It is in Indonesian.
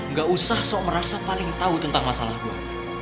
gak usah sok merasa paling tau tentang masalah gue